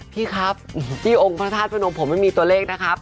พี่ครับที่องค์พระธาตุพระนมผมไม่มีตัวเลขนะครับ